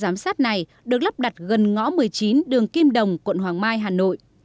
camera giám sát này được lắp đặt gần ngõ một mươi chín đường kim đồng quận hoàng mai hà nội